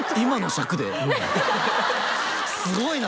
すごいな！